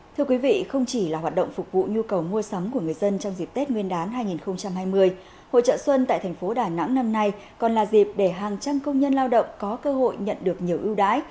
thưa quý vị không chỉ là hoạt động phục vụ nhu cầu mua sắm của người dân trong dịp tết nguyên đán hai nghìn hai mươi hội trợ xuân tại thành phố đà nẵng năm nay còn là dịp để hàng trăm công nhân lao động có cơ hội nhận được nhiều ưu đãi